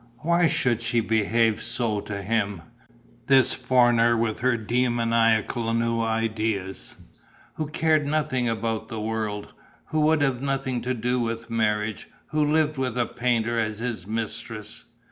Why should she behave so to him, this foreigner with her demoniacal new ideas, who cared nothing about the world, who would have nothing to do with marriage, who lived with a painter as his mistress!